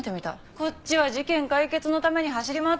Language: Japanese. こっちは事件解決のために走り回ってんのに。